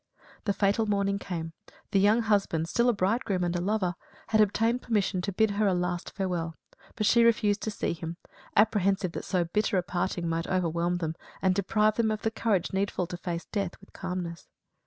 The fatal morning came. The young husband still a bridegroom and a lover had obtained permission to bid her a last farewell; but she refused to see him, apprehensive that so bitter a parting might overwhelm them, and deprive them of the courage needful to face death with calmness.